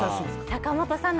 坂本さん。